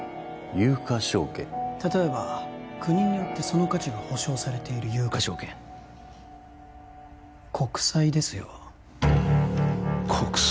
例えば国によってその価値が保証されている有価証券有価証券国債ですよ国債？